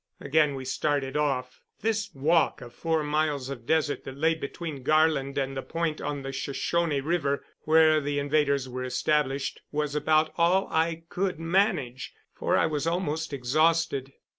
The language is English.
Again we started off. This walk of four miles of desert that lay between Garland and the point on the Shoshone River where the invaders were established was about all I could manage, for I was almost exhausted.